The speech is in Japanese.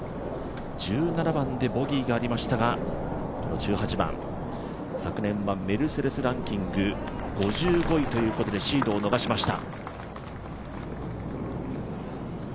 １７番でボギーがありましたが１８番、昨年はメルセデスランキング５５位ということでシードを逃しました。